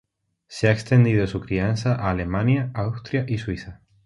Se ha extendido su crianza a Alemania, Austria y Suiza.